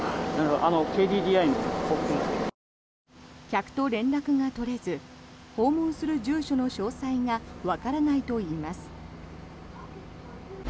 客と連絡が取れず訪問する住所の詳細がわからないといいます。